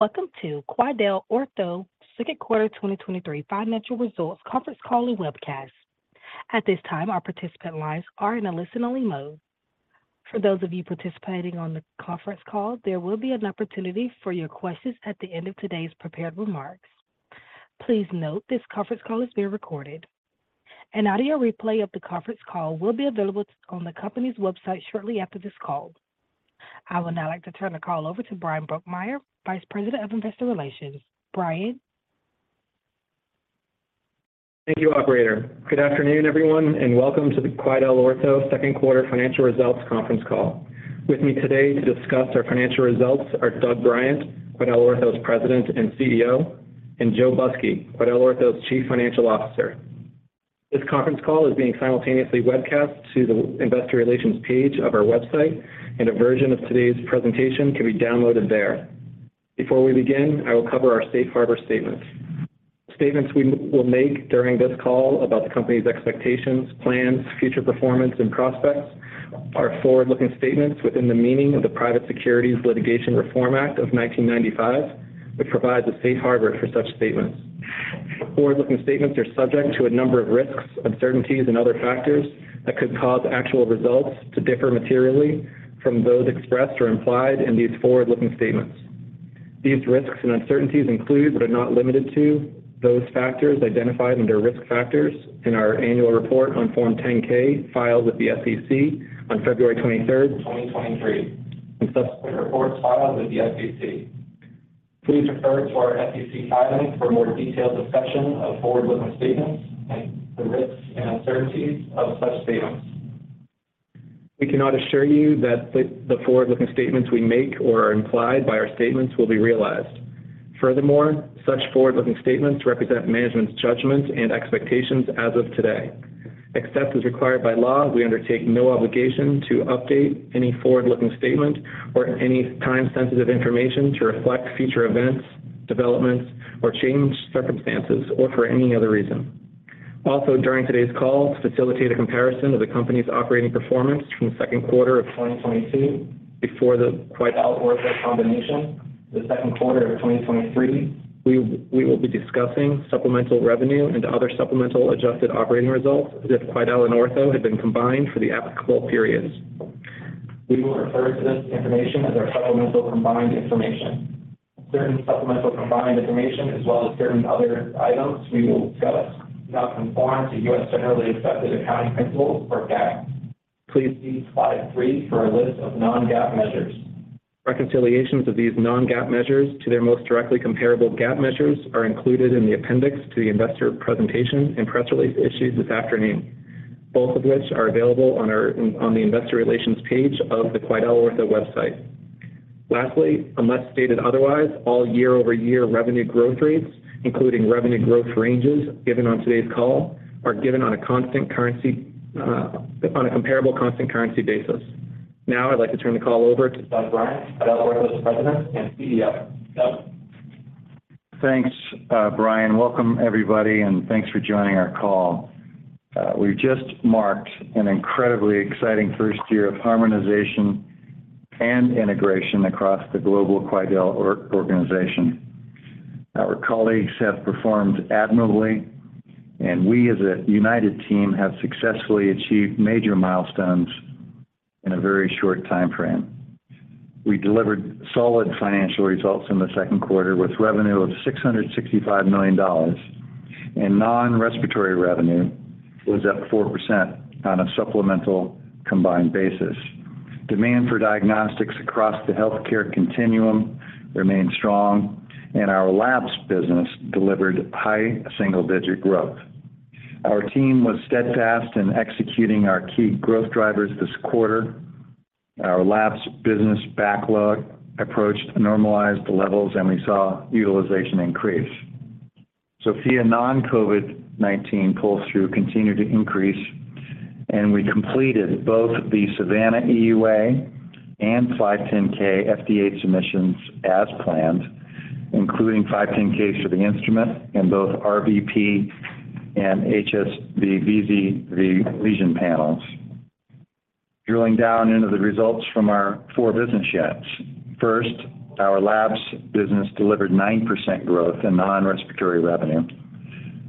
Welcome to QuidelOrtho Second Quarter 2023 Financial Results Conference Call and Webcast. At this time, our participant lines are in a listen-only mode. For those of you participating on the conference call, there will be an opportunity for your questions at the end of today's prepared remarks. Please note this conference call is being recorded. An audio replay of the conference call will be available on the company's website shortly after this call. I would now like to turn the call over to Bryan Brokmeier, Vice President of Investor Relations. Bryan? Thank you, operator. Good afternoon, everyone, and welcome to the QuidelOrtho Second Quarter Financial Results Conference Call. With me today to discuss our financial results are Doug Bryant, QuidelOrtho's President and CEO, and Joe Busky, QuidelOrtho's Chief Financial Officer. This conference call is being simultaneously webcast to the investor relations page of our website, and a version of today's presentation can be downloaded there. Before we begin, I will cover our safe harbor statements. Statements we will make during this call about the company's expectations, plans, future performance, and prospects are forward-looking statements within the meaning of the Private Securities Litigation Reform Act of 1995, which provides a safe harbor for such statements. Forward-looking statements are subject to a number of risks, uncertainties, and other factors that could cause actual results to differ materially from those expressed or implied in these forward-looking statements. These risks and uncertainties include, but are not limited to, those factors identified under Risk Factors in our Annual Report on Form 10-K, filed with the SEC on February 23rd, 2023, and subsequent reports filed with the SEC. Please refer to our SEC filings for a more detailed discussion of forward-looking statements and the risks and uncertainties of such statements. We cannot assure you that the forward-looking statements we make or are implied by our statements will be realized. Furthermore, such forward-looking statements represent management's judgments and expectations as of today. Except as required by law, we undertake no obligation to update any forward-looking statement or any time-sensitive information to reflect future events, developments, or changed circumstances or for any other reason. Also, during today's call, to facilitate a comparison of the company's operating performance from the second quarter of 2022 before the QuidelOrtho combination, the second quarter of 2023, we will be discussing supplemental revenue and other supplemental adjusted operating results if Quidel and Ortho had been combined for the applicable periods. We will refer to this information as our supplemental combined information. Certain supplemental combined information, as well as certain other items we will discuss, do not conform to U.S. generally accepted accounting principles or GAAP. Please see slide 3 for a list of non-GAAP measures. Reconciliations of these non-GAAP measures to their most directly comparable GAAP measures are included in the appendix to the investor presentation and press release issued this afternoon, both of which are available on the investor relations page of the QuidelOrtho website. Lastly, unless stated otherwise, all year-over-year revenue growth rates, including revenue growth ranges given on today's call, are given on a constant currency, on a comparable constant currency basis. I'd like to turn the call over to Doug Bryant, QuidelOrtho's President and CEO. Doug? Thanks, Bryan. Welcome, everybody, and thanks for joining our call. We've just marked an incredibly exciting first year of harmonization and integration across the global QuidelOrtho organization. Our colleagues have performed admirably. We, as a united team, have successfully achieved major milestones in a very short timeframe. We delivered solid financial results in the second quarter, with revenue of $665 million. Non-respiratory revenue was up 4% on a supplemental combined basis. Demand for diagnostics across the healthcare continuum remained strong. Our labs business delivered high single-digit growth. Our team was steadfast in executing our key growth drivers this quarter. Our labs business backlog approached normalized levels. We saw utilization increase. Sofia non-COVID-19 pull-through continued to increase. We completed both the Savanna EUA and 510(k) FDA submissions as planned, including 510(k) for the instrument and both RVP and HSV VZV lesion panels. Drilling down into the results from our 4 business units. First, our labs business delivered 9% growth in non-respiratory revenue,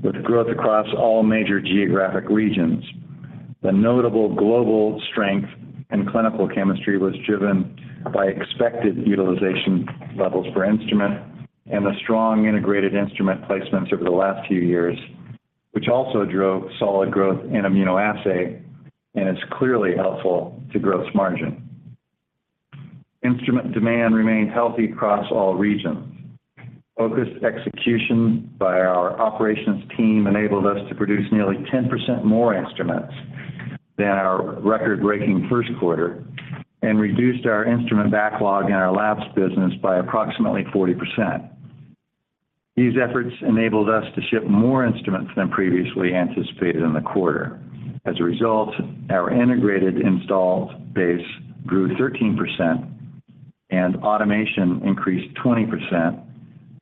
with growth across all major geographic regions. The notable global strength and clinical chemistry was driven by expected utilization levels for instrument and the strong integrated instrument placements over the last few years, which also drove solid growth in immunoassay. It's clearly helpful to gross margin. Instrument demand remained healthy across all regions. Focused execution by our operations team enabled us to produce nearly 10% more instruments than our record-breaking 1st quarter and reduced our instrument backlog in our labs business by approximately 40%. These efforts enabled us to ship more instruments than previously anticipated in the quarter. As a result, our integrated installed base grew 13%, and automation increased 20%.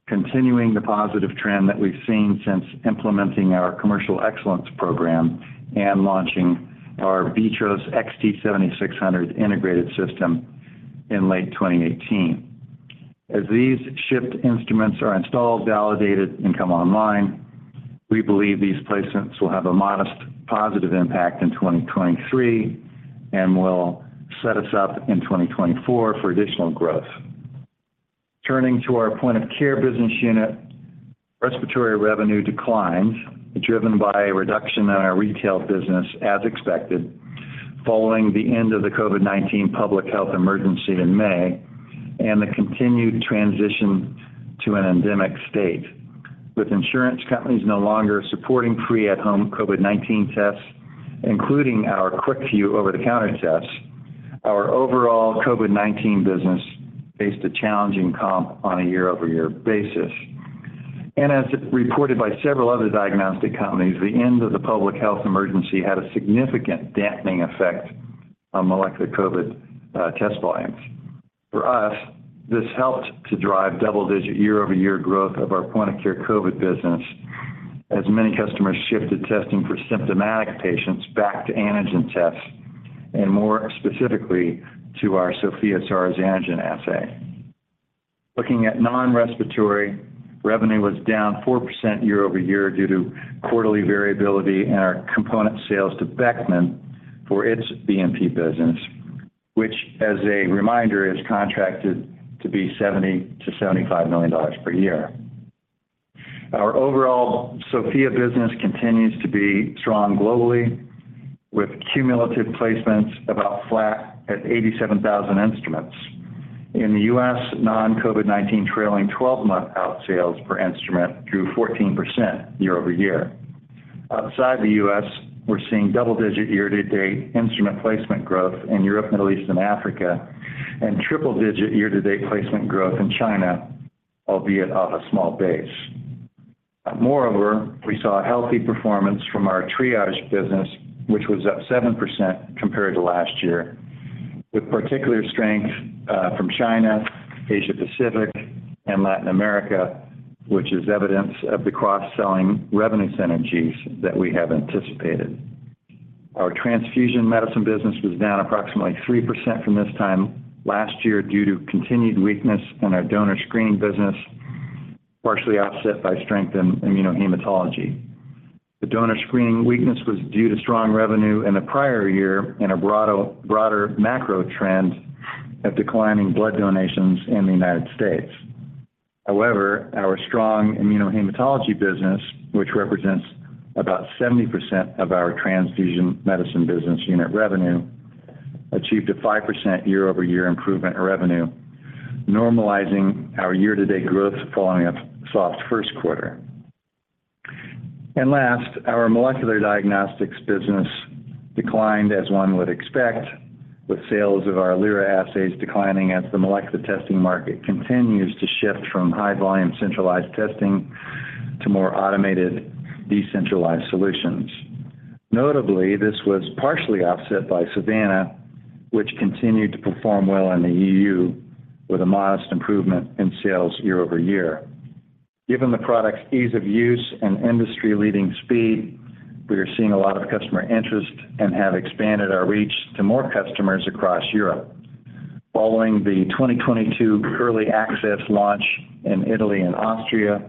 continuing the positive trend that we've seen since implementing our commercial excellence program and launching our VITROS XT 7600 integrated system in late 2018. As these shipped instruments are installed, validated, and come online, we believe these placements will have a modest positive impact in 2023 and will set us up in 2024 for additional growth. Turning to our point of care business unit, respiratory revenue declined, driven by a reduction in our retail business as expected, following the end of the COVID-19 public health emergency in May and the continued transition to an endemic state. With insurance companies no longer supporting free at-home COVID-19 tests, including our QuickVue over-the-counter tests, our overall COVID-19 business faced a challenging comp on a year-over-year basis. As reported by several other diagnostic companies, the end of the public health emergency had a significant dampening effect on molecular COVID test volumes. For us, this helped to drive double-digit year-over-year growth of our point-of-care COVID business, as many customers shifted testing for symptomatic patients back to antigen tests, and more specifically to our Sofia SARS Antigen assay. Looking at non-respiratory, revenue was down 4% year-over-year due to quarterly variability in our component sales to Beckman for its BNP business, which, as a reminder, is contracted to be $70 million-$75 million per year. Our overall Sofia business continues to be strong globally, with cumulative placements about flat at 87,000 instruments. In the US, non-COVID-19 trailing 12-month out sales per instrument grew 14% year-over-year. Outside the US, we're seeing double-digit year-to-date instrument placement growth in Europe, Middle East, and Africa, and triple-digit year-to-date placement growth in China, albeit off a small base. Moreover, we saw a healthy performance from our Triage business, which was up 7% compared to last year, with particular strength from China, Asia Pacific, and Latin America, which is evidence of the cross-selling revenue synergies that we have anticipated. Our transfusion medicine business was down approximately 3% from this time last year due to continued weakness in our donor screening business, partially offset by strength in immunohematology. The donor screening weakness was due to strong revenue in the prior year and a broader macro trend of declining blood donations in the United States. However, our strong immunohematology business, which represents about 70% of our transfusion medicine business unit revenue, achieved a 5% year-over-year improvement in revenue, normalizing our year-to-date growth following a soft first quarter. Last, our molecular diagnostics business declined, as one would expect, with sales of our Lyra assays declining as the molecular testing market continues to shift from high-volume centralized testing to more automated, decentralized solutions. Notably, this was partially offset by Savanna, which continued to perform well in the EU with a modest improvement in sales year over year. Given the product's ease of use and industry-leading speed, we are seeing a lot of customer interest and have expanded our reach to more customers across Europe. Following the 2022 early access launch in Italy and Austria,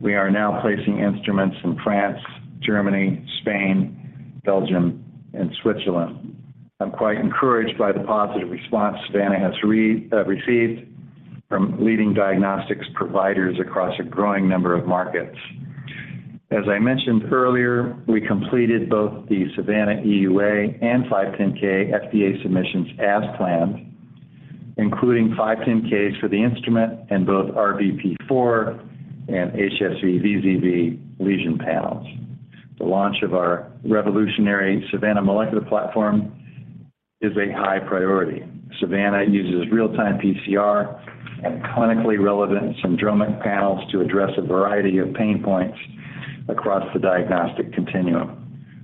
we are now placing instruments in France, Germany, Spain, Belgium, and Switzerland. I'm quite encouraged by the positive response Savanna has received from leading diagnostics providers across a growing number of markets. As I mentioned earlier, we completed both the Savanna EUA and 510(k) FDA submissions as planned, including 510(k)s for the instrument and both RVP4 and HSV 1+2/VZV lesion panels. The launch of our revolutionary Savanna molecular platform is a high priority. Savanna uses real-time PCR and clinically relevant syndromic panels to address a variety of pain points across the diagnostic continuum.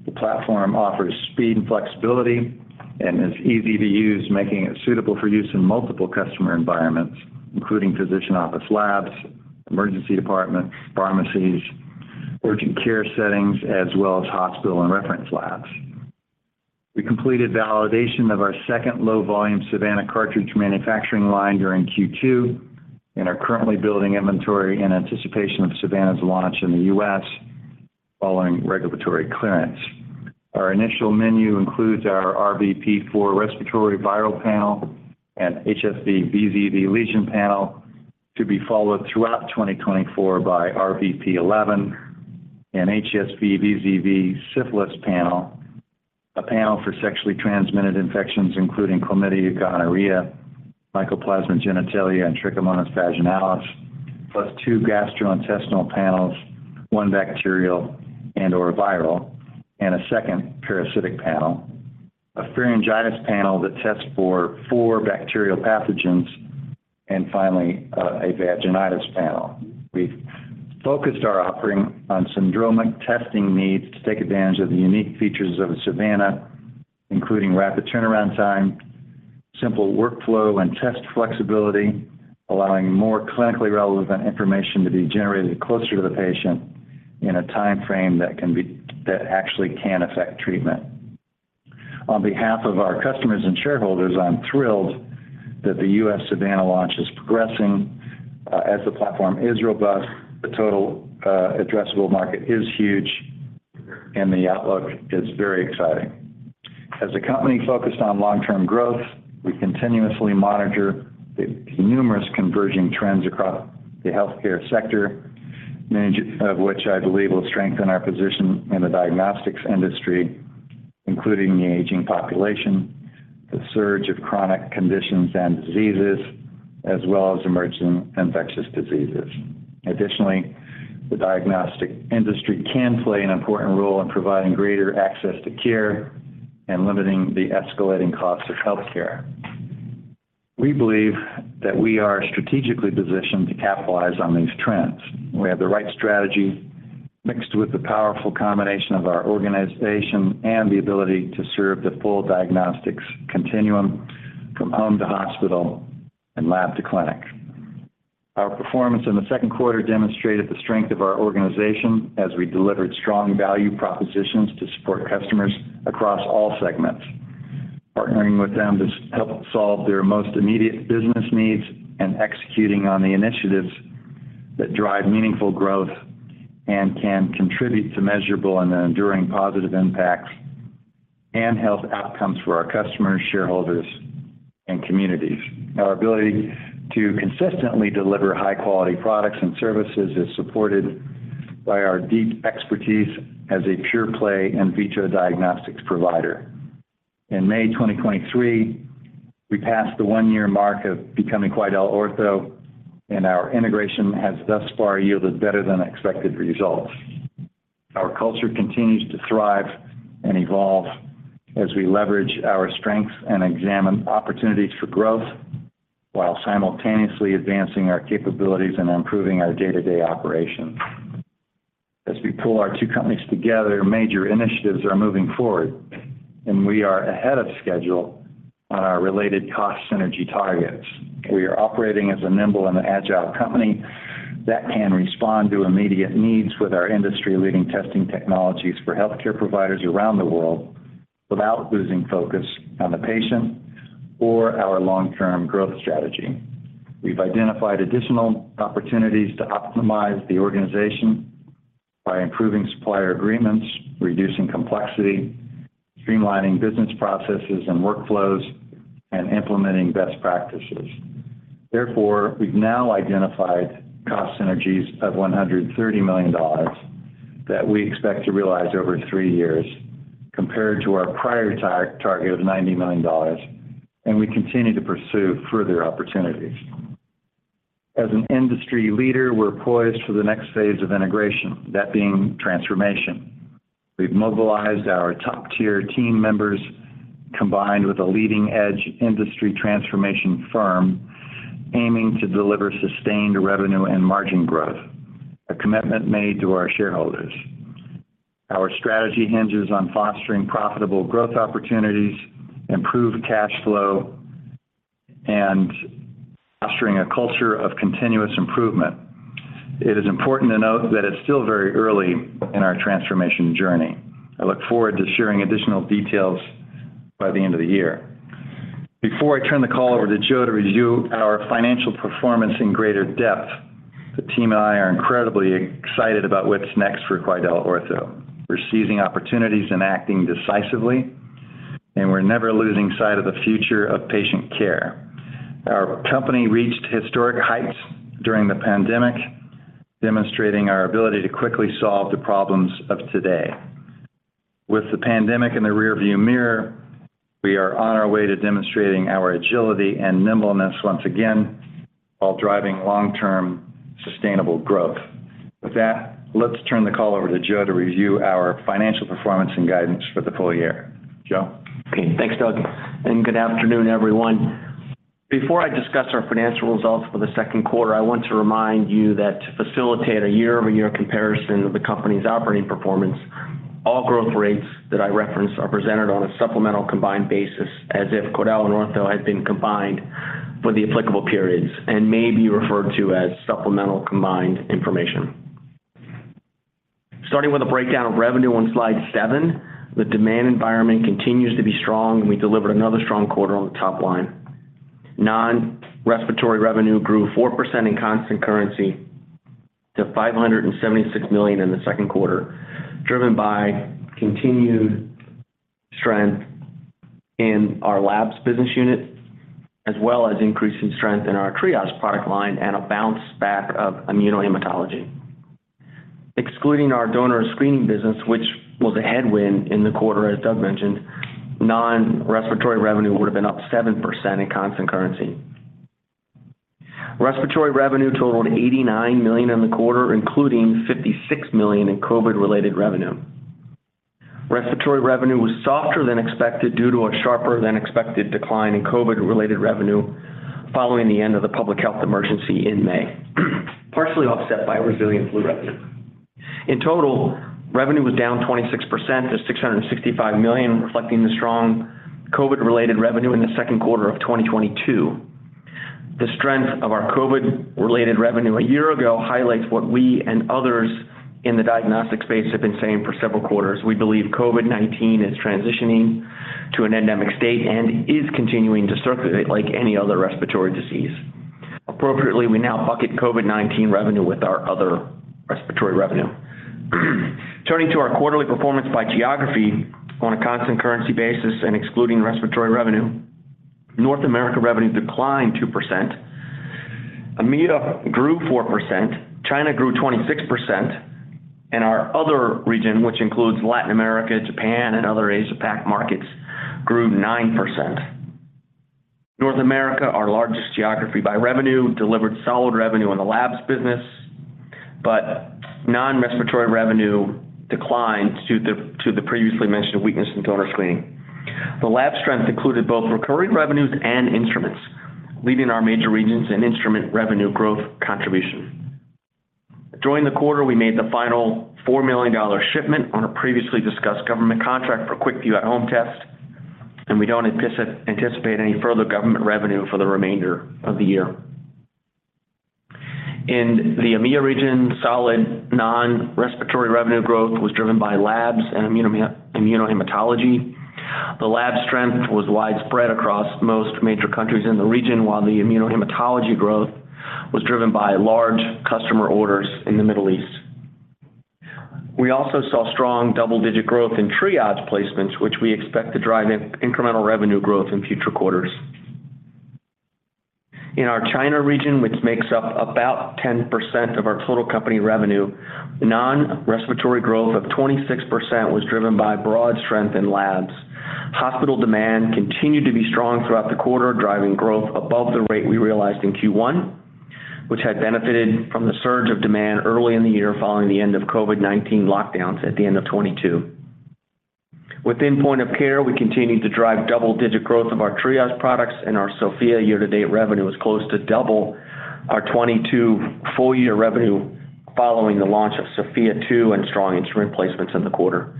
The platform offers speed and flexibility and is easy to use, making it suitable for use in multiple customer environments, including physician office labs, emergency departments, pharmacies, urgent care settings, as well as hospital and reference labs. We completed validation of our second low-volume Savanna cartridge manufacturing line during Q2 and are currently building inventory in anticipation of Savanna's launch in the US following regulatory clearance. Our initial menu includes our RVP4 respiratory viral panel and HSV 1+2/VZV lesion panel, to be followed throughout 2024 by RVP11 and HSV 1+2/VZV and syphilis panel, a panel for sexually transmitted infections, including chlamydia, gonorrhea, Mycoplasma genitalium, and Trichomonas vaginalis, plus two gastrointestinal panels, one bacterial and/or viral, and a second parasitic panel, a pharyngitis panel that tests for 4 bacterial pathogens, and finally, a vaginitis panel. We've focused our offering on syndromic testing needs to take advantage of the unique features of Savanna, including rapid turnaround time, simple workflow and test flexibility, allowing more clinically relevant information to be generated closer to the patient in a time frame that actually can affect treatment. On behalf of our customers and shareholders, I'm thrilled that the U.S. Savanna launch is progressing as the platform is robust, the total addressable market is huge, and the outlook is very exciting. As a company focused on long-term growth, we continuously monitor the numerous converging trends across the healthcare sector, of which I believe will strengthen our position in the diagnostics industry, including the aging population, the surge of chronic conditions and diseases, as well as emerging infectious diseases. The diagnostic industry can play an important role in providing greater access to care and limiting the escalating costs of healthcare. We believe that we are strategically positioned to capitalize on these trends. We have the right strategy, mixed with the powerful combination of our organization and the ability to serve the full diagnostics continuum from home to hospital and lab to clinic. Our performance in the second quarter demonstrated the strength of our organization as we delivered strong value propositions to support customers across all segments, partnering with them to help solve their most immediate business needs and executing on the initiatives that drive meaningful growth and can contribute to measurable and enduring positive impacts and health outcomes for our customers, shareholders, and communities. Our ability to consistently deliver high-quality products and services is supported by our deep expertise as a pure-play in vitro diagnostics provider. In May 2023, we passed the 1-year mark of becoming QuidelOrtho, and our integration has thus far yielded better-than-expected results. Our culture continues to thrive and evolve as we leverage our strengths and examine opportunities for growth, while simultaneously advancing our capabilities and improving our day-to-day operations. As we pull our two companies together, major initiatives are moving forward, and we are ahead of schedule on our related cost synergy targets. We are operating as a nimble and agile company that can respond to immediate needs with our industry-leading testing technologies for healthcare providers around the world, without losing focus on the patient or our long-term growth strategy. We've identified additional opportunities to optimize the organization by improving supplier agreements, reducing complexity, streamlining business processes and workflows, and implementing best practices. Therefore, we've now identified cost synergies of $130 million that we expect to realize over three years, compared to our prior target of $90 million, and we continue to pursue further opportunities. As an industry leader, we're poised for the next phase of integration, that being transformation. We've mobilized our top-tier team members, combined with a leading-edge industry transformation firm, aiming to deliver sustained revenue and margin growth, a commitment made to our shareholders. Our strategy hinges on fostering profitable growth opportunities, improved cash flow, and fostering a culture of continuous improvement. It is important to note that it's still very early in our transformation journey. I look forward to sharing additional details by the end of the year. Before I turn the call over to Joe to review our financial performance in greater depth, the team and I are incredibly excited about what's next for QuidelOrtho. We're seizing opportunities and acting decisively, and we're never losing sight of the future of patient care. Our company reached historic heights during the pandemic, demonstrating our ability to quickly solve the problems of today. With the pandemic in the rearview mirror, we are on our way to demonstrating our agility and nimbleness once again, while driving long-term sustainable growth. With that, let's turn the call over to Joe to review our financial performance and guidance for the full year. Joe? Okay, thanks, Doug, and good afternoon, everyone. Before I discuss our financial results for the second quarter, I want to remind you that to facilitate a year-over-year comparison of the company's operating performance, all growth rates that I reference are presented on a supplemental combined basis, as if Quidel and Ortho had been combined for the applicable periods and may be referred to as supplemental combined information. Starting with a breakdown of revenue on slide 7, the demand environment continues to be strong, and we delivered another strong quarter on the top line. Non-respiratory revenue grew 4% in constant currency to $576 million in the second quarter, driven by continued strength in our labs business unit, as well as increasing strength in the Triage product line and a bounce back of immunohematology. Excluding our donor screening business, which was a headwind in the quarter, as Doug mentioned, non-respiratory revenue would have been up 7% in constant currency. Respiratory revenue totaled $89 million in the quarter, including $56 million in COVID-related revenue. Respiratory revenue was softer than expected due to a sharper-than-expected decline in COVID-related revenue following the end of the public health emergency in May, partially offset by resilient flu revenue. In total, revenue was down 26% to $665 million, reflecting the strong COVID-related revenue in the second quarter of 2022. The strength of our COVID-related revenue a year ago highlights what we and others in the diagnostic space have been saying for several quarters. We believe COVID-19 is transitioning to an endemic state and is continuing to circulate like any other respiratory disease. Appropriately, we now bucket COVID-19 revenue with our other respiratory revenue. Turning to our quarterly performance by geography on a constant currency basis and excluding respiratory revenue, North America revenue declined 2%, EMEA grew 4%, China grew 26%, our other region, which includes Latin America, Japan, and other Asia Pac markets, grew 9%. North America, our largest geography by revenue, delivered solid revenue in the labs business, non-respiratory revenue declined due to the previously mentioned weakness in donor screening. The lab strength included both recurring revenues and instruments, leading our major regions in instrument revenue growth contribution. During the quarter, we made the final $4 million shipment on a previously discussed government contract for QuickVue At-Home Test, we don't anticipate any further government revenue for the remainder of the year. In the EMEA region, solid non-respiratory revenue growth was driven by labs and immunohematology. The lab strength was widespread across most major countries in the region, while the immunohematology growth was driven by large customer orders in the Middle East. We also saw strong double-digit growth in Triage placements, which we expect to drive incremental revenue growth in future quarters. In our China region, which makes up about 10% of our total company revenue, non-respiratory growth of 26% was driven by broad strength in labs. Hospital demand continued to be strong throughout the quarter, driving growth above the rate we realized in Q1, which had benefited from the surge of demand early in the year following the end of COVID-19 lockdowns at the end of 2022. Within point of care, we continued to drive double-digit growth of our Triage products, and our Sofia year-to-date revenue is close to double our 2022 full-year revenue, following the launch of Sofia 2 and strong instrument placements in the quarter.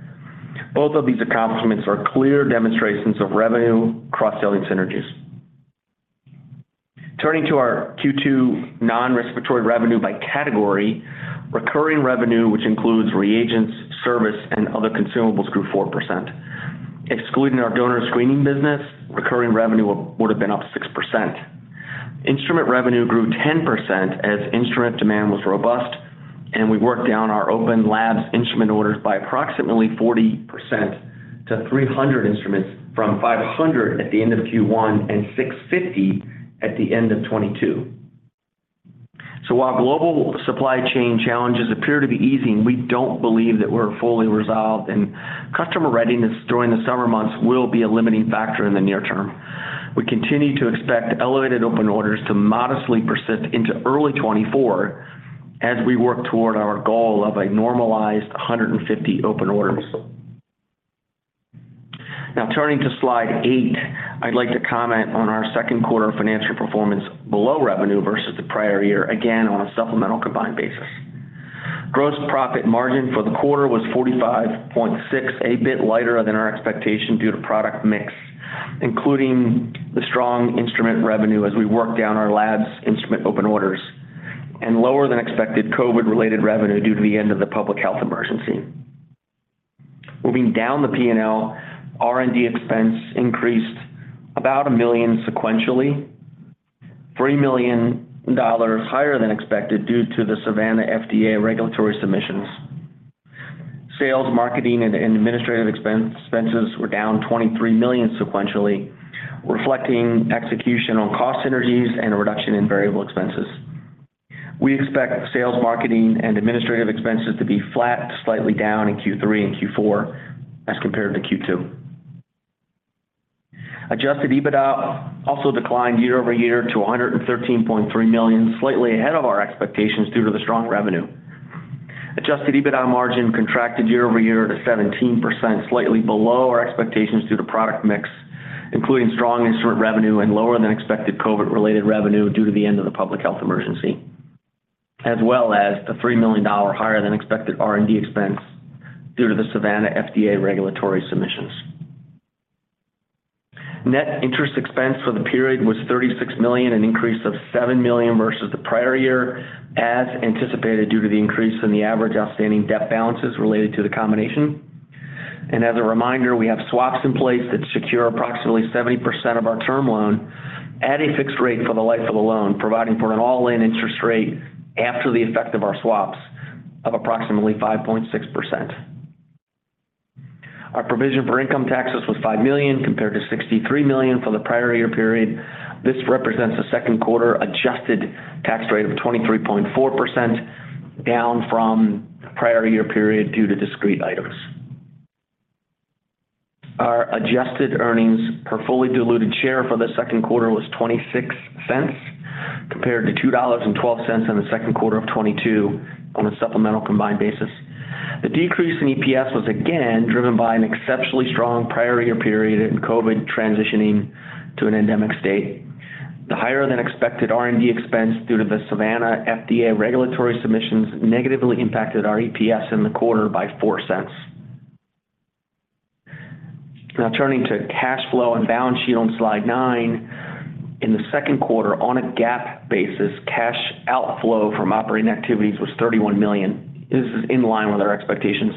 Both of these accomplishments are clear demonstrations of revenue cross-selling synergies. Turning to our Q2 non-respiratory revenue by category, recurring revenue, which includes reagents, service, and other consumables, grew 4%. Excluding our donor screening business, recurring revenue would have been up 6%. Instrument revenue grew 10% as instrument demand was robust, and we worked down our open labs instrument orders by approximately 40% to 300 instruments from 500 at the end of Q1 and 650 at the end of 2022. While global supply chain challenges appear to be easing, we don't believe that we're fully resolved, and customer readiness during the summer months will be a limiting factor in the near term. We continue to expect elevated open orders to modestly persist into early 2024 as we work toward our goal of a normalized 150 open orders. Turning to slide 8, I'd like to comment on our second quarter financial performance below revenue versus the prior year, again, on a supplemental combined basis. Gross profit margin for the quarter was 45.6%, a bit lighter than our expectation due to product mix, including the strong instrument revenue as we worked down our labs' instrument open orders, and lower than expected COVID-related revenue due to the end of the public health emergency. Moving down the P&L, R&D expense increased about $1 million sequentially, $3 million higher than expected due to the Savanna FDA regulatory submissions. Sales, marketing, and administrative expenses were down $23 million sequentially, reflecting execution on cost synergies and a reduction in variable expenses. We expect sales, marketing, and administrative expenses to be flat to slightly down in Q3 and Q4 as compared to Q2. Adjusted EBITDA also declined year-over-year to $113.3 million, slightly ahead of our expectations due to the strong revenue. Adjusted EBITDA margin contracted year-over-year to 17%, slightly below our expectations due to product mix, including strong instrument revenue and lower than expected COVID-related revenue due to the end of the public health emergency, as well as a $3 million higher than expected R&D expense due to the Savanna FDA regulatory submissions. Net interest expense for the period was $36 million, an increase of $7 million versus the prior year, as anticipated, due to the increase in the average outstanding debt balances related to the combination. As a reminder, we have swaps in place that secure approximately 70% of our term loan at a fixed rate for the life of the loan, providing for an all-in interest rate after the effect of our swaps of approximately 5.6%. Our provision for income taxes was $5 million, compared to $63 million for the prior year period. This represents a second quarter adjusted tax rate of 23.4%, down from the prior year period due to discrete items. Our adjusted earnings per fully diluted share for the second quarter was $0.26, compared to $2.12 in the second quarter of 2022 on a supplemental combined basis. The decrease in EPS was again driven by an exceptionally strong prior year period and COVID transitioning to an endemic state. The higher than expected R&D expense due to the Savanna FDA regulatory submissions negatively impacted our EPS in the quarter by $0.04. Now, turning to cash flow and balance sheet on slide 9. In the second quarter, on a GAAP basis, cash outflow from operating activities was $31 million. This is in line with our expectations.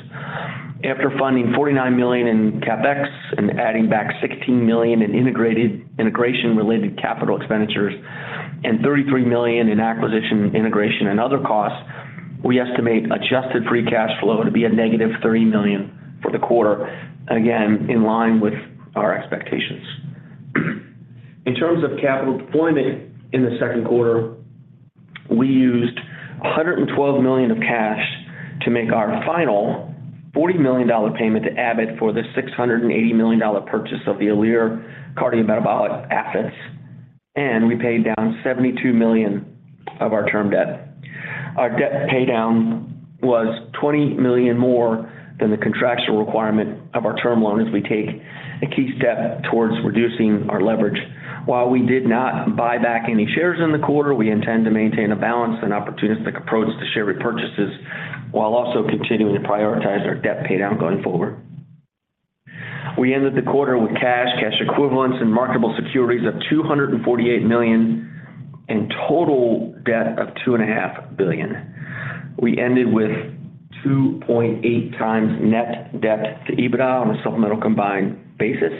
After funding $49 million in CapEx and adding back $16 million in integration-related capital expenditures and $33 million in acquisition, integration, and other costs, we estimate adjusted free cash flow to be a negative $30 million for the quarter, again, in line with our expectations. In terms of capital deployment, in the second quarter, we used $112 million of cash to make our final $40 million payment to Abbott for the $680 million purchase of the Alere Cardiometabolic assets. We paid down $72 million of our term debt. Our debt paydown was $20 million more than the contractual requirement of our term loan as we take a key step towards reducing our leverage. While we did not buy back any shares in the quarter, we intend to maintain a balanced and opportunistic approach to share repurchases while also continuing to prioritize our debt paydown going forward. We ended the quarter with cash, cash equivalents, and marketable securities of $248 million, and total debt of $2.5 billion. We ended with 2.8 times net debt to EBITDA on a supplemental combined basis.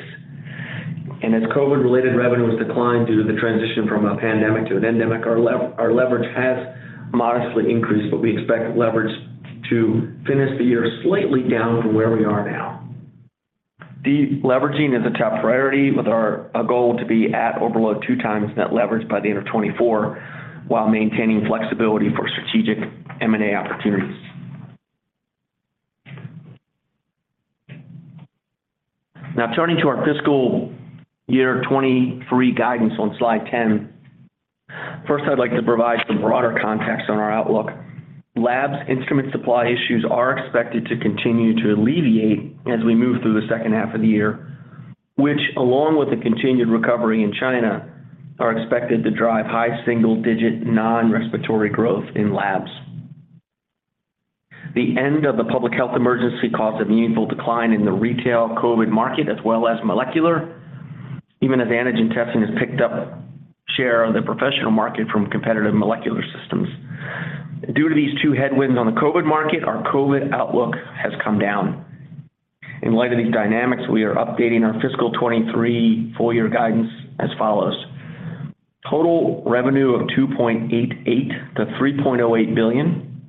As COVID-related revenues declined due to the transition from a pandemic to an endemic, our leverage has modestly increased, but we expect leverage to finish the year slightly down from where we are now. De-leveraging is a top priority, with our goal to be at or below 2 times net leverage by the end of 2024, while maintaining flexibility for strategic M&A opportunities. Now, turning to our fiscal year 2023 guidance on Slide 10. First, I'd like to provide some broader context on our outlook. Labs instrument supply issues are expected to continue to alleviate as we move through the second half of the year, which, along with the continued recovery in China, are expected to drive high single-digit, non-respiratory growth in labs. The end of the public health emergency caused a meaningful decline in the retail COVID market, as well as molecular, even as antigen testing has picked up share of the professional market from competitive molecular systems. Due to these two headwinds on the COVID market, our COVID outlook has come down. In light of these dynamics, we are updating our fiscal 2023 full year guidance as follows: Total revenue of $2.88 billion-$3.08 billion,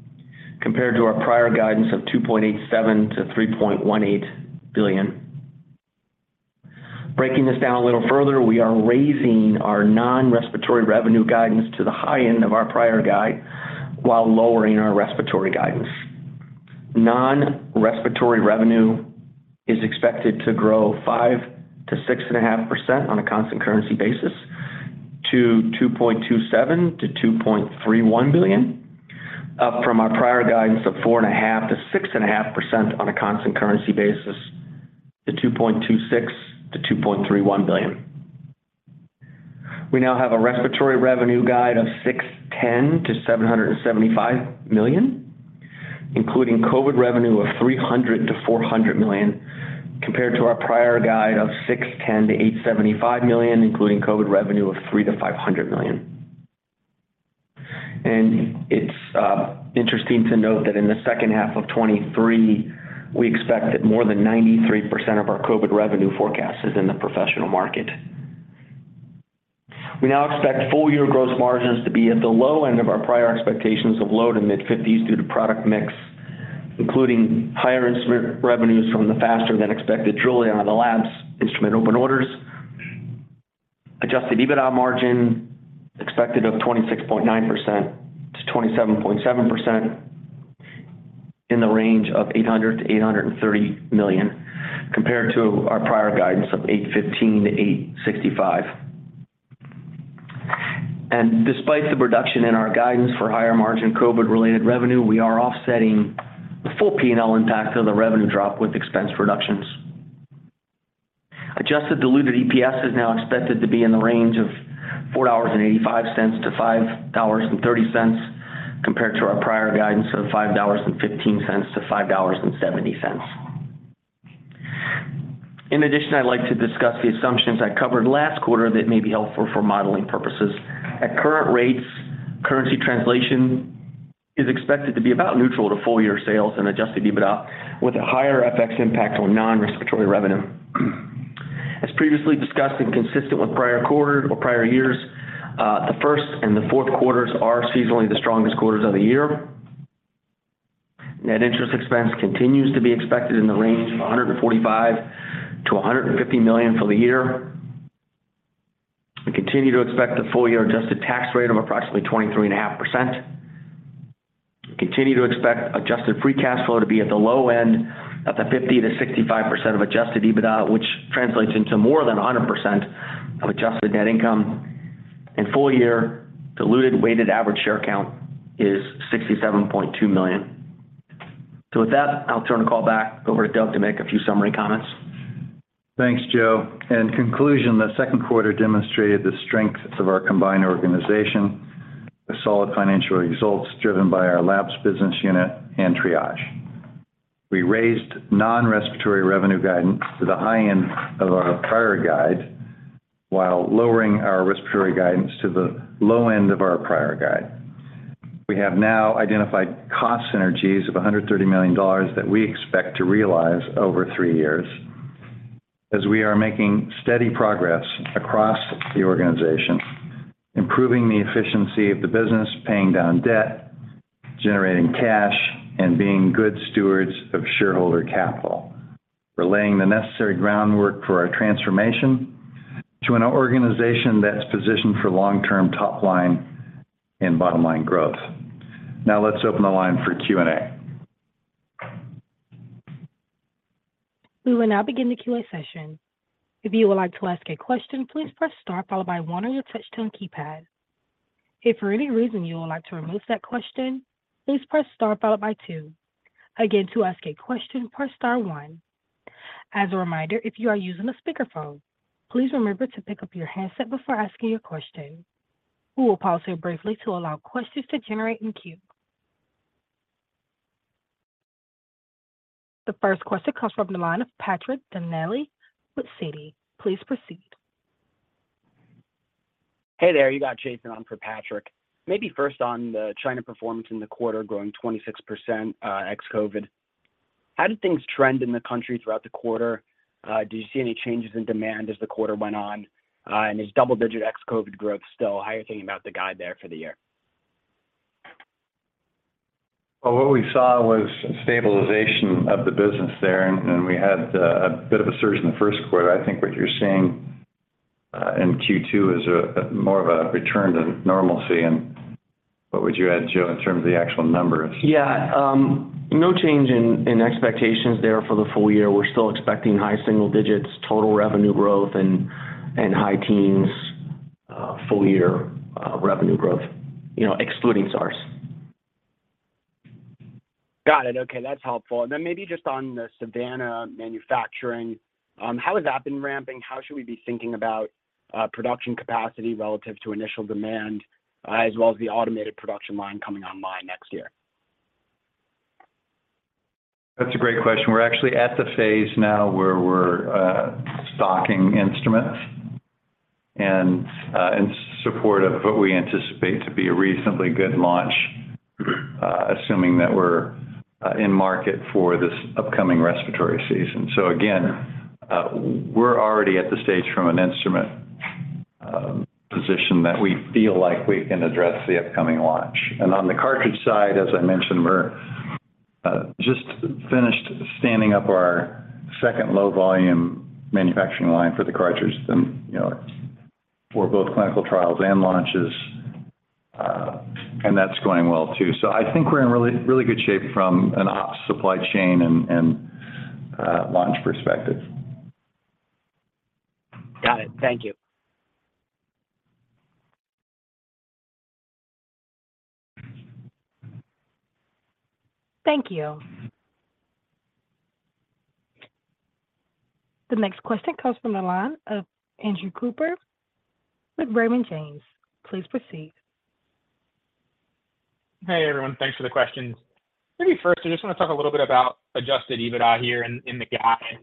compared to our prior guidance of $2.87 billion-$3.18 billion. Breaking this down a little further, we are raising our non-respiratory revenue guidance to the high end of our prior guide, while lowering our respiratory guidance. Non-respiratory revenue is expected to grow 5%-6.5% on a constant currency basis to $2.27 billion-$2.31 billion, up from our prior guidance of 4.5%-6.5% on a constant currency basis to $2.26 billion-$2.31 billion. We now have a respiratory revenue guide of $610-$775 million, including COVID revenue of $300 million-$400 million, compared to our prior guide of $610-$875 million, including COVID revenue of $300 million-$500 million. It's interesting to note that in the second half of 2023, we expect that more than 93% of our COVID revenue forecast is in the professional market. We now expect full year gross margins to be at the low end of our prior expectations of low to mid-50s due to product mix, including higher instrument revenues from the faster than expected draw down on the lab's instrument open orders. Adjusted EBITDA margin expected of 26.9%-27.7% in the range of $800 million-$830 million, compared to our prior guidance of $815 million-$865 million. Despite the reduction in our guidance for higher margin COVID-related revenue, we are offsetting the full P&L impact of the revenue drop with expense reductions. Adjusted diluted EPS is now expected to be in the range of $4.85-$5.30, compared to our prior guidance of $5.15-$5.70. In addition, I'd like to discuss the assumptions I covered last quarter that may be helpful for modeling purposes. At current rates, currency translation is expected to be about neutral to full year sales and adjusted EBITDA, with a higher FX impact on non-respiratory revenue. As previously discussed and consistent with prior quarter or prior years, the first and the fourth quarters are seasonally the strongest quarters of the year. Net interest expense continues to be expected in the range of $145 million-$150 million for the year. We continue to expect the full year adjusted tax rate of approximately 23.5%. We continue to expect adjusted free cash flow to be at the low end of the 50%-65% of adjusted EBITDA, which translates into more than 100% of adjusted net income. Full year diluted weighted average share count is 67.2 million. With that, I'll turn the call back over to Doug to make a few summary comments. Thanks, Joe. In conclusion, the second quarter demonstrated the strengths of our combined organization, the solid financial results driven by our labs business unit and Triage. We raised non-respiratory revenue guidance to the high end of our prior guide, while lowering our respiratory guidance to the low end of our prior guide. We have now identified cost synergies of $130 million that we expect to realize over three years as we are making steady progress across the organization, improving the efficiency of the business, paying down debt, generating cash, and being good stewards of shareholder capital. We're laying the necessary groundwork for our transformation to an organization that's positioned for long-term top line and bottom line growth. Now let's open the line for Q&A. We will now begin the Q&A session. If you would like to ask a question, please press star followed by 1 on your touchtone keypad. If for any reason you would like to remove that question, please press star followed by 2. Again, to ask a question, press star 1. As a reminder, if you are using a speakerphone, please remember to pick up your handset before asking your question. We will pause here briefly to allow questions to generate in queue. The first question comes from the line of Patrick Donnelly with Citi. Please proceed. Hey there, you got Jason on for Patrick. Maybe first on the China performance in the quarter, growing 26% ex-COVID. How did things trend in the country throughout the quarter? Do you see any changes in demand as the quarter went on? Is double-digit ex-COVID growth still how you're thinking about the guide there for the year? Well, what we saw was stabilization of the business there, and, and we had a, a bit of a surge in the first quarter. I think what you're seeing in Q2 is a, a more of a return to normalcy. What would you add, Joe, in terms of the actual numbers? Yeah. No change in expectations there for the full year. We're still expecting high single digits, total revenue growth and high teens, full year, revenue growth, you know, excluding SARS. Got it. Okay, that's helpful. Then maybe just on the Savanna manufacturing, how has that been ramping? How should we be thinking about production capacity relative to initial demand, as well as the automated production line coming online next year? That's a great question. We're actually at the phase now where we're stocking instruments and in support of what we anticipate to be a reasonably good launch, assuming that we're in market for this upcoming respiratory season. Again, we're already at the stage from an instrument position that we feel like we can address the upcoming launch. On the cartridge side, as I mentioned, we're just finished standing up our second low volume manufacturing line for the cartridges than, you know, for both clinical trials and launches. That's going well, too. I think we're in really, really good shape from an ops supply chain and, and launch perspective. Got it. Thank you. Thank you. The next question comes from the line of Andrew Cooper with Raymond James. Please proceed. Hey, everyone. Thanks for the questions. Maybe first, I just want to talk a little bit about Adjusted EBITDA here in, in the guide.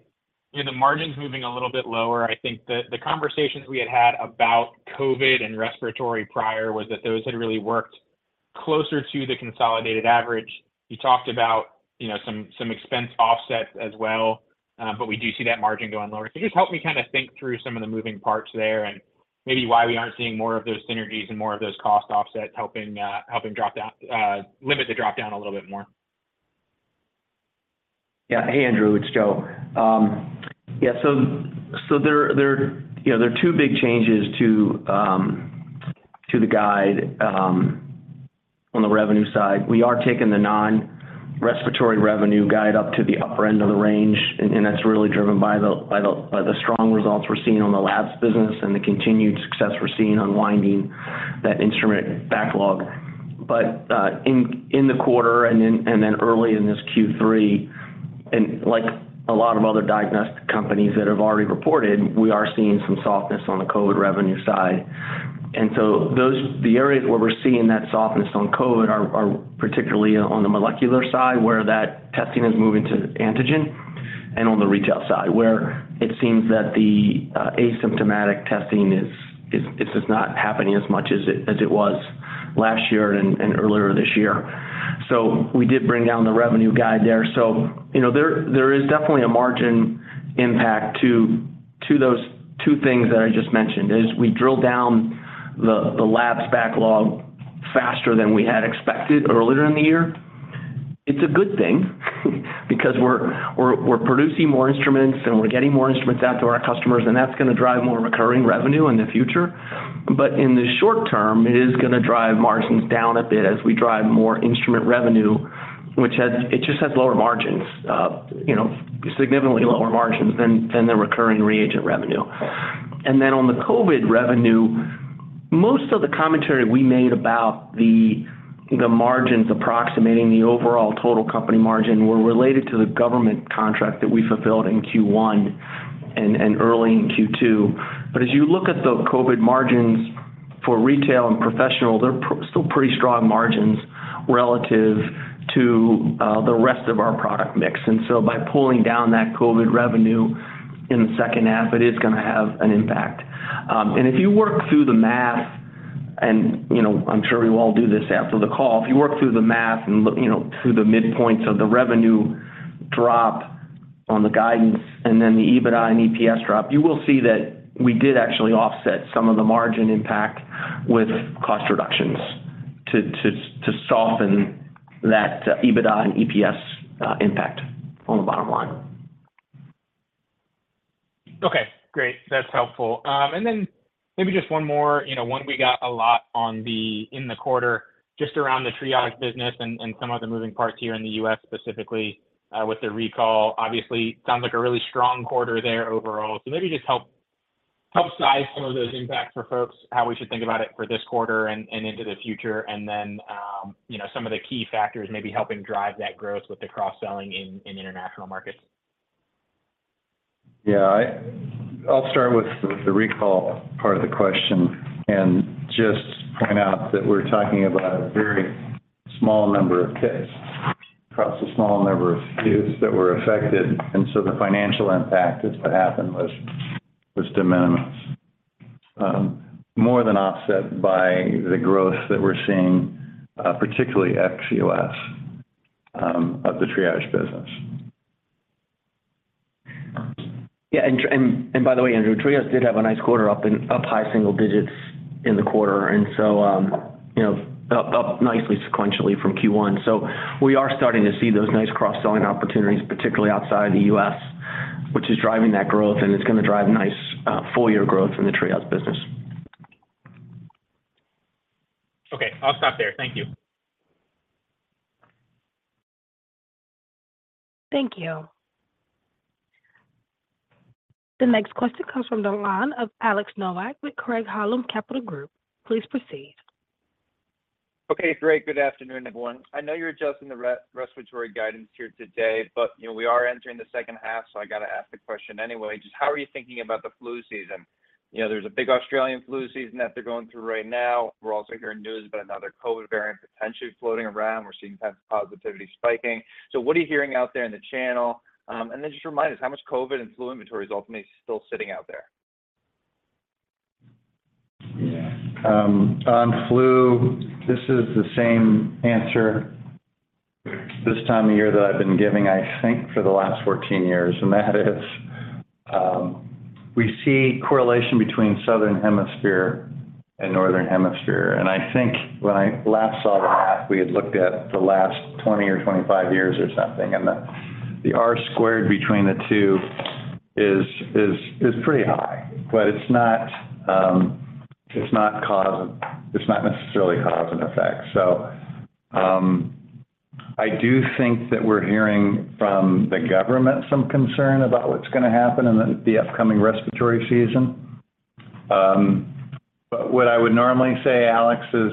You know, the margins moving a little bit lower. I think the, the conversations we had had about COVID and respiratory prior was that those had really worked closer to the consolidated average. You talked about, you know, some, some expense offsets as well, but we do see that margin going lower. Just help me kind of think through some of the moving parts there and maybe why we aren't seeing more of those synergies and more of those cost offsets helping, helping drop down, limit the drop down a little bit more? Yeah. Hey, Andrew, it's Joe. Yeah, so there, you know, there are 2 big changes to the guide on the revenue side. We are taking the non-respiratory revenue guide up to the upper end of the range, and that's really driven by the strong results we're seeing on the labs business and the continued success we're seeing unwinding that instrument backlog. In the quarter and then early in this Q3, like a lot of other diagnostic companies that have already reported, we are seeing some softness on the COVID revenue side. Those-- the areas where we're seeing that softness on COVID are, are particularly on the molecular side, where that testing is moving to antigen and on the retail side, where it seems that the asymptomatic testing is, it's just not happening as much as it, as it was last year and, and earlier this year. We did bring down the revenue guide there. You know, there, there is definitely a margin impact to, to those two things that I just mentioned. As we drill down the, the labs backlog faster than we had expected earlier in the year, it's a good thing, because we're, we're, we're producing more instruments and we're getting more instruments out to our customers, and that's going to drive more recurring revenue in the future. In the short term, it is going to drive margins down a bit as we drive more instrument revenue, which has-- it just has lower margins, you know, significantly lower margins than, than the recurring reagent revenue. Then on the COVID revenue. Most of the commentary we made about the, the margins approximating the overall total company margin were related to the government contract that we fulfilled in Q1 and early in Q2. As you look at the COVID margins for retail and professional, they're still pretty strong margins relative to the rest of our product mix. So by pulling down that COVID revenue in the second half, it is gonna have an impact. If you work through the math and, you know, I'm sure you all do this after the call. If you work through the math and look, you know, through the midpoints of the revenue drop on the guidance and then the EBITDA and EPS drop, you will see that we did actually offset some of the margin impact with cost reductions to, to, to soften that EBITDA and EPS impact on the bottom line. Okay, great. That's helpful. Then maybe just one more, you know, one, we got a lot on the, in the quarter, just around the Triage business and, and some of the moving parts here in the US, specifically, with the recall. Obviously, sounds like a really strong quarter there overall. Maybe just help, help size some of those impacts for folks, how we should think about it for this quarter and, and into the future. Then, you know, some of the key factors maybe helping drive that growth with the cross-selling in, in international markets. Yeah, I'll start with the, the recall part of the question and just point out that we're talking about a very small number of cases across a small number of SKUs that were affected, and so the financial impact that happened was, was de minimis. More than offset by the growth that we're seeing, particularly ex US, of the Triage business. Yeah, and, and, and by the way, Andrew, Triage did have a nice quarter up high single digits in the quarter, and so, you know, up, up nicely sequentially from Q1. We are starting to see those nice cross-selling opportunities, particularly outside the US, which is driving that growth, and it's gonna drive nice, full year growth in the Triage business. Okay, I'll stop there. Thank you. Thank you. The next question comes from the line of Alex Nowak with Craig-Hallum Capital Group. Please proceed. Okay, great. Good afternoon, everyone. I know you're adjusting the respiratory guidance here today, you know, we are entering the second half, I got to ask the question anyway. Just how are you thinking about the flu season? You know, there's a big Australian flu season that they're going through right now. We're also hearing news about another COVID variant potentially floating around. We're seeing test positivity spiking. What are you hearing out there in the channel? just remind us, how much COVID and flu inventory is ultimately still sitting out there? Yeah. On flu, this is the same answer this time of year that I've been giving, I think, for the last 14 years. That is, we see correlation between Southern Hemisphere and Northern Hemisphere. I think when I last saw the math, we had looked at the last 20 or 25 years or something, and the R-squared between the two is, is, is pretty high, but it's not, it's not necessarily cause and effect. I do think that we're hearing from the government some concern about what's gonna happen in the upcoming respiratory season. But what I would normally say, Alex, is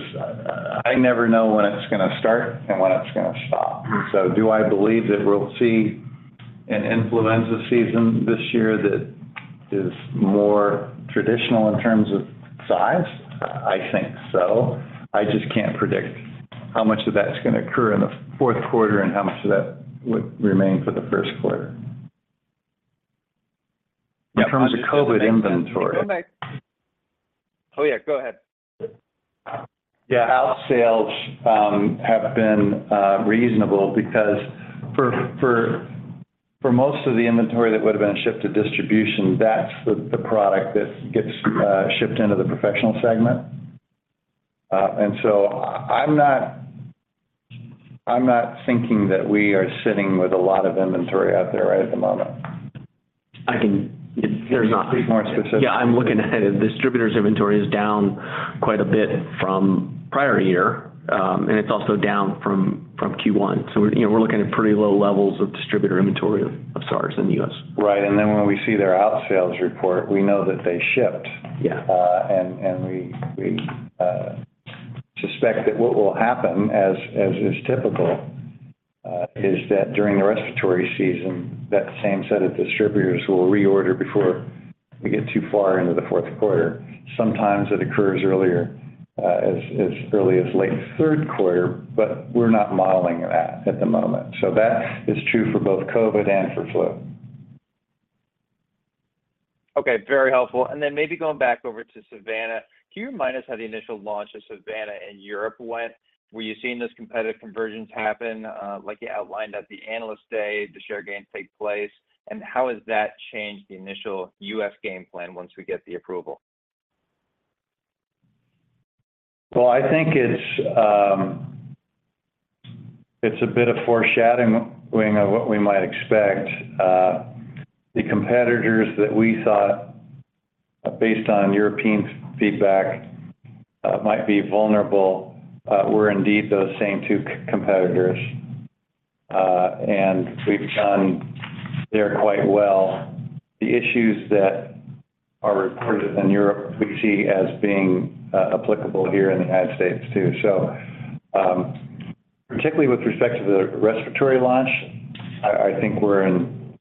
I never know when it's gonna start and when it's gonna stop. Do I believe that we'll see an influenza season this year that is more traditional in terms of size? I think so. I just can't predict how much of that's gonna occur in the fourth quarter and how much of that would remain for the first quarter. In terms of COVID inventory- Oh, yeah, go ahead. Yeah, out sales have been reasonable because for most of the inventory that would have been shipped to distribution, that's the product that gets shipped into the professional segment. So I'm not, I'm not thinking that we are sitting with a lot of inventory out there right at the moment. I can... There's not- Be more specific. Yeah, I'm looking at it. Distributor's inventory is down quite a bit from prior year, and it's also down from, from Q1. We're, you know, we're looking at pretty low levels of distributor inventory of, of SARS in the US. Right. Then when we see their out sales report, we know that they shipped. Yeah. And we, we suspect that what will happen as, as, as typical, is that during the respiratory season, that same set of distributors will reorder before we get too far into the fourth quarter. Sometimes it occurs earlier, as, as early as late third quarter, but we're not modeling that at the moment. That is true for both COVID and for flu. Okay, very helpful. Then maybe going back over to Savanna, can you remind us how the initial launch of Savanna in Europe went? Were you seeing this competitive convergence happen, like you outlined at the Analyst Day, the share gains take place? How has that changed the initial US game plan once we get the approval? Well, I think it's, it's a bit of foreshadowing of what we might expect. The competitors that we thought, based on European feedback, might be vulnerable, were indeed those same two competitors. and we've done there quite well. The issues that are reported in Europe, we see as being, applicable here in the United States too. Particularly with respect to the respiratory launch, I, I think we're in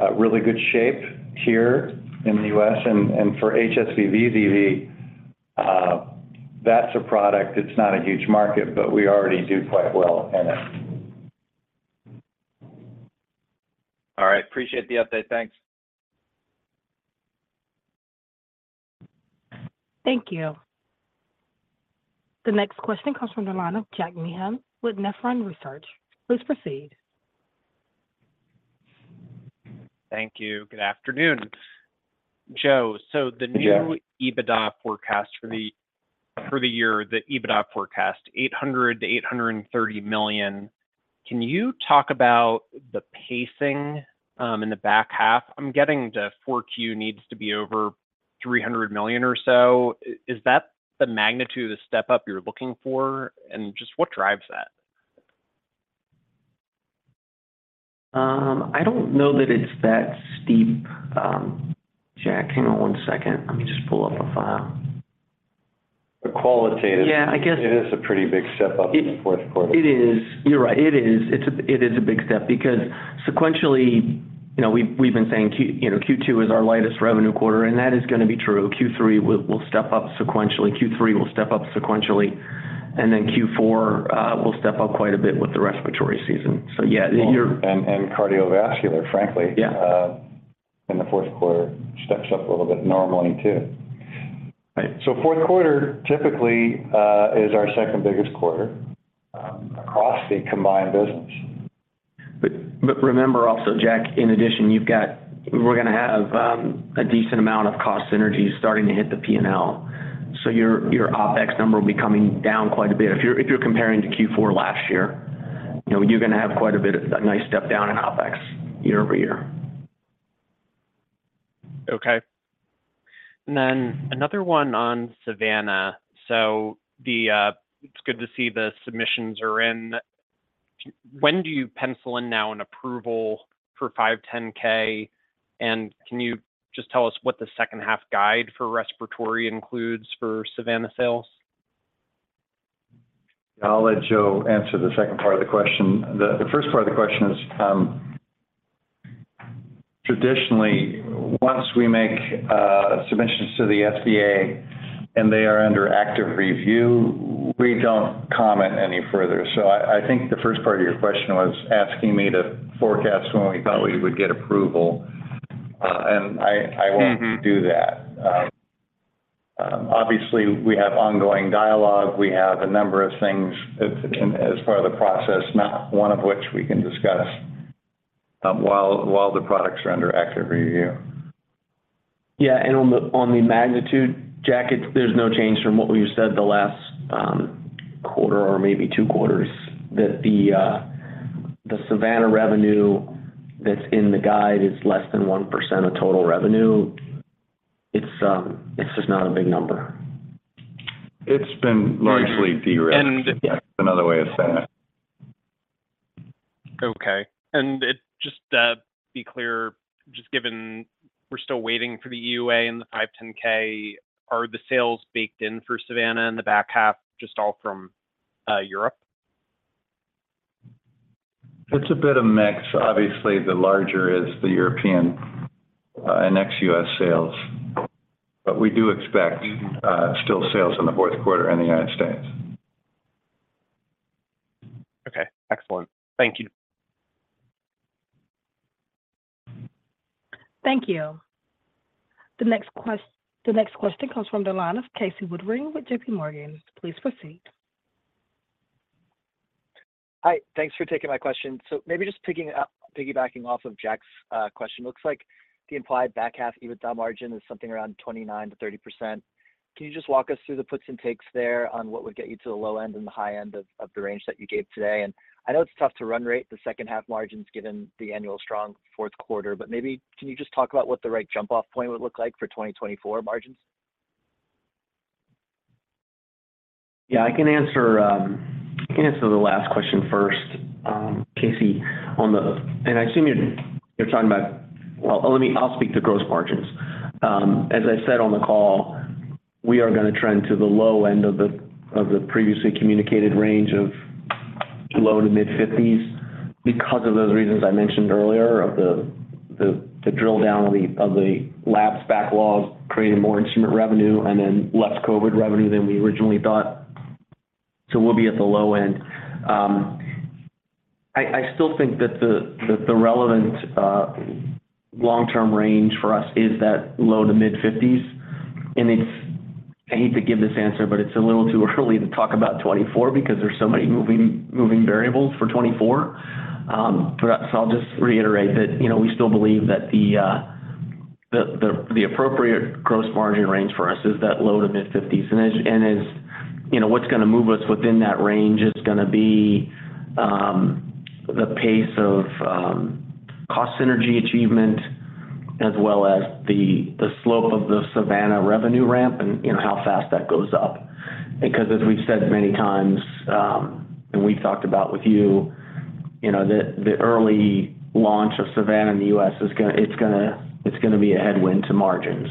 a really good shape here in the US, and, and for HSV VZV, that's a product, it's not a huge market, but we already do quite well in it. All right. Appreciate the update. Thanks. Thank you. The next question comes from the line of Jack Meehan with Nephron Research. Please proceed. Thank you. Good afternoon. Yeah. The new EBITDA forecast for the, for the year, the EBITDA forecast, $800 million-$830 million. Can you talk about the pacing in the back half? I'm getting the 4 Q needs to be over $300 million or so. Is that the magnitude of the step up you're looking for? Just what drives that? I don't know that it's that steep. Jack, hang on 1 second. Let me just pull up a file. The qualitative- Yeah, I guess- It is a pretty big step up in the fourth quarter. It is. You're right, it is. It's a big step because sequentially, you know, we've been saying, you know, Q2 is our lightest revenue quarter. That is gonna be true. Q3 will step up sequentially. Q3 will step up sequentially, Q4 will step up quite a bit with the respiratory season. Yeah, you're. Cardiovascular, frankly. Yeah. In the fourth quarter, steps up a little bit normally, too. Right. Fourth quarter, typically, is our second biggest quarter across the combined business. Remember also, Jack, in addition, you've got, we're gonna have a decent amount of cost synergies starting to hit the P&L. Your, your OpEx number will be coming down quite a bit. If you're, if you're comparing to Q4 last year, you know, you're gonna have quite a bit of a nice step down in OpEx year-over-year. Okay. another one on Savanna. the, it's good to see the submissions are in. When do you pencil in now an approval for 510(k)? Can you just tell us what the second half guide for respiratory includes for Savanna sales? I'll let Joe answer the second part of the question. The first part of the question is, traditionally, once we make submissions to the FDA and they are under active review, we don't comment any further. I think the first part of your question was asking me to forecast when we thought we would get approval, and I, I won't- Mm-hmm do that. obviously, we have ongoing dialogue. We have a number of things that can, as part of the process, not one of which we can discuss, while, while the products are under active review. Yeah, on the magnitude, Jack, it's there's no change from what we've said the last quarter or maybe two quarters, that the Savanna revenue that's in the guide is less than 1% of total revenue. It's just not a big number. It's been largely direct. And- Yeah, another way of saying it. Okay. Just to be clear, just given we're still waiting for the EUA and the 510(k), are the sales baked in for Savanna in the back half, just all from Europe? It's a bit of mix. Obviously, the larger is the European, and ex-U.S. sales, but we do expect, still sales in the fourth quarter in the United States. Okay, excellent. Thank you. Thank you. The next question comes from the line of Casey Woodring with JP Morgan. Please proceed. Hi, thanks for taking my question. Maybe just picking up, piggybacking off of Jack's question, looks like the implied back half EBITDA margin is something around 29%-30%. Can you just walk us through the puts and takes there on what would get you to the low end and the high end of the range that you gave today? I know it's tough to run rate, the second half margins given the annual strong fourth quarter, but maybe can you just talk about what the right jump-off point would look like for 2024 margins? Yeah, I can answer, I can answer the last question first, Casey, on the. I assume you're talking about. Well, let me. I'll speak to gross margins. As I said on the call, we are gonna trend to the low end of the, of the previously communicated range of low to mid-fifties because of those reasons I mentioned earlier, of the, the, the drill down on the, on the labs backlogs, creating more instrument revenue and then less COVID revenue than we originally thought. We'll be at the low end. I, I still think that the, that the relevant, long-term range for us is that low to mid-fifties, and it's. I hate to give this answer, but it's a little too early to talk about 2024 because there's so many moving, moving variables for 2024. I'll just reiterate that, you know, we still believe that the, the, the, the appropriate gross margin range for us is that low to mid-50s. As, and as, you know, what's gonna move us within that range is gonna be the pace of cost synergy achievement as well as the, the slope of the Savanna revenue ramp and, you know, how fast that goes up. As we've said many times, and we've talked about with you, you know, the, the early launch of Savanna in the US is gonna be a headwind to margins.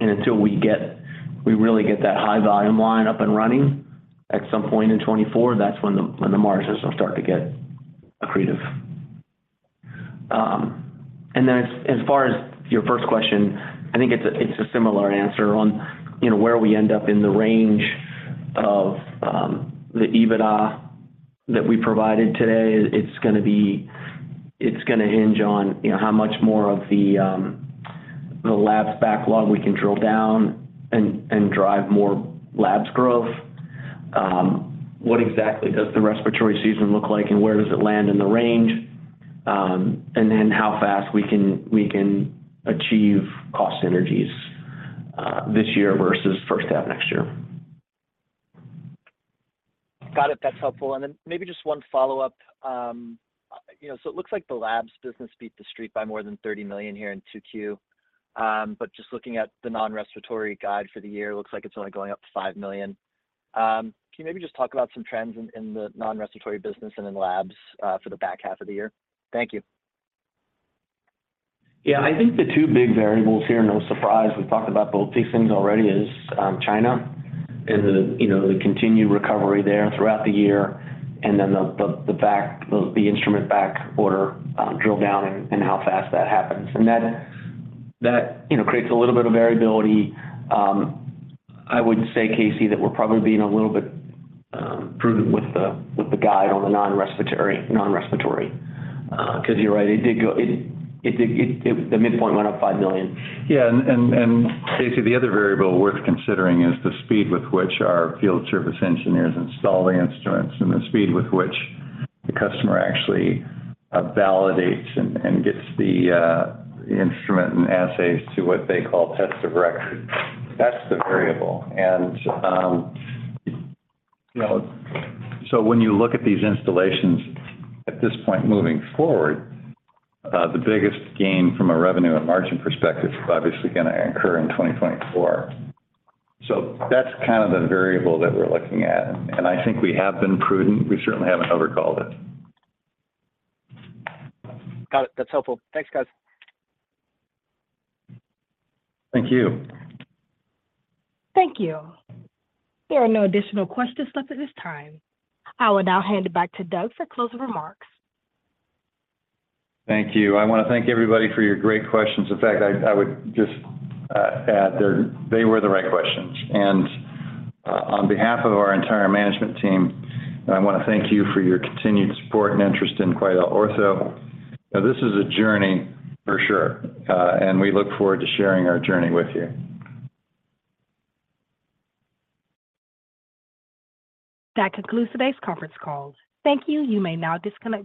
Until we get, we really get that high volume line up and running at some point in 2024, that's when the, when the margins will start to get accretive. As, as far as your first question, I think it's a, it's a similar answer on, you know, where we end up in the range of the EBITDA that we provided today. It's gonna hinge on, you know, how much more of the labs backlog we can drill down and, and drive more labs growth. What exactly does the respiratory season look like, and where does it land in the range? How fast we can, we can achieve cost synergies this year versus first half next year. Got it. That's helpful. Maybe just one follow-up. You know, it looks like the labs business beat the street by more than $30 million here in 2Q. Just looking at the non-respiratory guide for the year, it looks like it's only going up to $5 million. Can you maybe just talk about some trends in the non-respiratory business and in labs for the back half of the year? Thank you. Yeah, I think the two big variables here, no surprise, we've talked about both these things already, is China and the, you know, the continued recovery there throughout the year, and then the, the, the back, the instrument back order drill down and, and how fast that happens. That, that, you know, creates a little bit of variability. I would say, Casey, that we're probably being a little bit prudent with the, with the guide on the non-respiratory, non-respiratory, because you're right, it did go... the midpoint went up $5 million. Yeah, and, and, and Casey, the other variable worth considering is the speed with which our field service engineers install the instruments and the speed with which the customer actually validates and, and gets the instrument and assays to what they call test of record. That's the variable. You know, when you look at these installations at this point, moving forward, the biggest gain from a revenue and margin perspective is obviously gonna incur in 2024. That's kind of the variable that we're looking at, and I think we have been prudent. We certainly haven't overcalled it. Got it. That's helpful. Thanks, guys. Thank you. Thank you. There are no additional questions left at this time. I will now hand it back to Doug for closing remarks. Thank you. I wanna thank everybody for your great questions. In fact, I, I would just add there, they were the right questions. On behalf of our entire management team, I wanna thank you for your continued support and interest in QuidelOrtho. Now, this is a journey for sure, and we look forward to sharing our journey with you. That concludes today's conference call. Thank you. You may now disconnect your line.